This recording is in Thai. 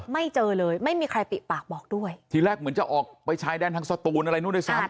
ไม่เจอเลยไม่มีใครปิปากบอกด้วยทีแรกเหมือนจะออกไปชายแดนทางสตูนอะไรนู่นด้วยซ้ำ